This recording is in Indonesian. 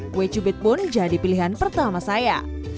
kue cubit pun jadi pilihan pertama saya